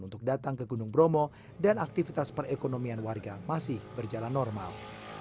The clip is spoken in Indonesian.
untuk datang ke gunung bromo dan aktivitas perekonomian warga masih berjalan normal